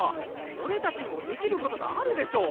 俺たちにもできることがあるでしょ！